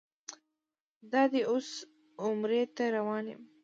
دادی اوس عمرې ته روان یم.